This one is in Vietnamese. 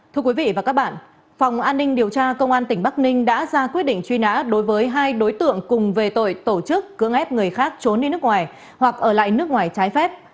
thưa quý vị và các bạn phòng an ninh điều tra công an tỉnh bắc ninh đã ra quyết định truy nã đối với hai đối tượng cùng về tội tổ chức cưỡng ép người khác trốn đi nước ngoài hoặc ở lại nước ngoài trái phép